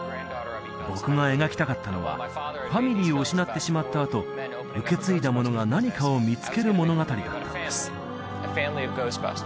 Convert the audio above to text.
僕が描きたかったのはファミリーを失ってしまったあと受け継いだ者が何かを見つける物語だったんです